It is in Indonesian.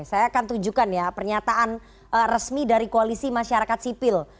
saya akan tunjukkan ya pernyataan resmi dari koalisi masyarakat sipil